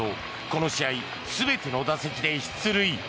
この試合、全ての打席で出塁。